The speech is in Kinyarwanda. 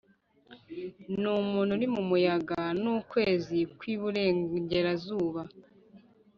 numuntu uri mumuyaga nukwezi kwi burengerazuba